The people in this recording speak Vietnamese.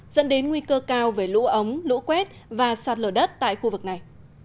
dẫn đến nguy cơ cao về lũ ống lũ quét và sạt lở đất tại khu vực này